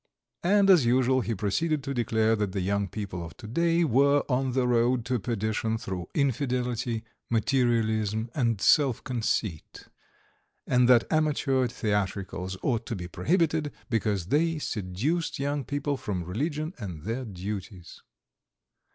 And as usual he proceeded to declare that the young people of to day were on the road to perdition through infidelity, materialism, and self conceit, and that amateur theatricals ought to be prohibited, because they seduced young people from religion and their duties.